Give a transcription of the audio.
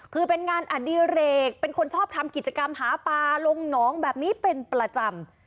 คือเป็นงานอดิเรกเป็นคนชอบทำกิจกรรมหาปลาลงหนองแบบนี้เป็นประจำ